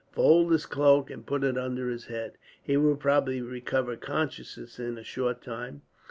Fold his cloak, and put it under his head. He will probably recover consciousness in a short time.